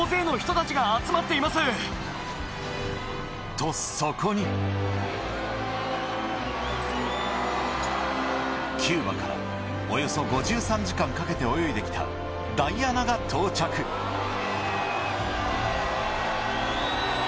とそこにキューバからおよそ５３時間かけて泳いで来たダイアナが到着ついにゴール！